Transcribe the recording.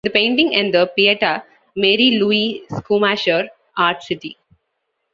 The painting and the Pieta - Mary Louise Schumacher: Art City.